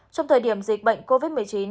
trong thời điểm dịch bệnh covid một mươi chín